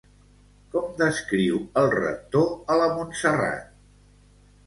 Com descriu el rector a la Montserrat?